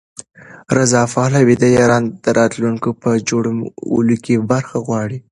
رضا پهلوي د ایران د راتلونکي په جوړولو کې برخه غواړي.